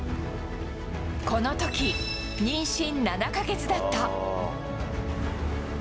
このとき、妊娠７か月だった。